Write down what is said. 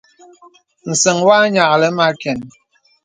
Nsəŋ wɔ nyìaklì mə àkən.